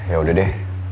ya udah deh